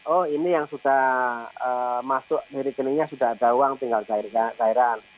oh ini yang sudah masuk di rekeningnya sudah ada uang tinggal cairan